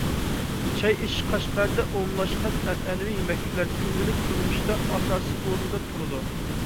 چاي ئىچىش قەشقەردە ئومۇملاشقان. ئەنئەنىۋى يېمەكلىكلەر كۈندىلىك تۇرمۇشتا ئاساسىي ئورۇندا تۇرىدۇ.